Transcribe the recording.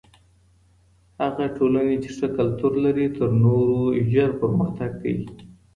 هغه ټولني چی ښه کلتور لري تر نورو ژر پرمختګ کوي.